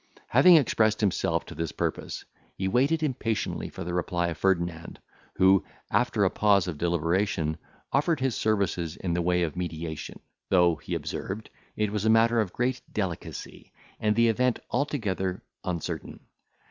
Having expressed himself to this purpose, he waited impatiently for the reply of Ferdinand, who, after a pause of deliberation, offered his services in the way of mediation; though, he observed, it was a matter of great delicacy, and the event altogether uncertain.